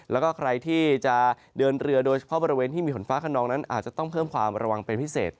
แล้วก็ใครที่จะเดินเรือโดยเฉพาะบริเวณที่มีฝนฟ้าขนองนั้นอาจจะต้องเพิ่มความระวังเป็นพิเศษ